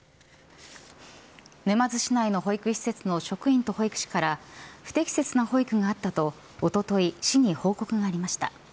沼津市内の保育施設の職員と保育士から不適切な保育があったとおととい市に報告がありました。